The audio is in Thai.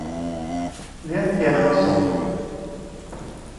เลี้ยงเสียข้าวสุก